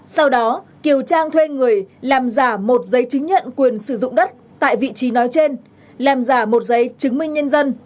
sau đó kiều trang thuê người làm giả một giấy chứng nhận quyền sử dụng đất tại vị trí nói trên làm giả một giấy chứng minh nhân dân